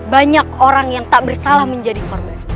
banyak orang yang tak bersalah menjadi korban